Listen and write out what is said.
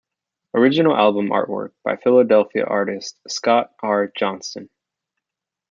Original album artwork by Philadelphia artist Scott R. Johnston.